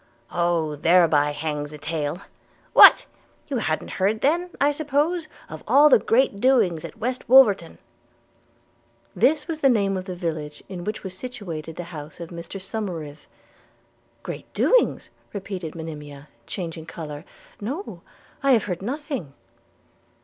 'Oh! thereby hangs a tale – What! you han't heard then, I suppose, of all the great doings at West Wolverton?' This was the name of the village in which was situated the house of Mr Somerive. – 'Great doings!' repeated Monimia, changing colour; 'no, I have heard of nothing.'